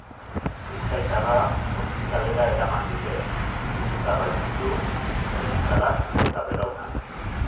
Bizkaitarra ospitalera eraman dute, minduta baititu zerbikalak eta belaunak.